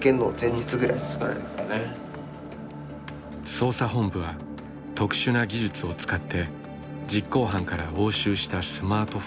捜査本部は特殊な技術を使って実行犯から押収したスマートフォンを解析。